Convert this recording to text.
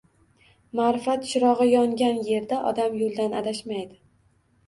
Maʼrifat chirogʻi yongan yerda odam yoʻldan adashmaydi